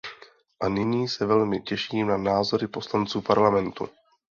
A nyní se velmi těším na názory poslanců Parlamentu.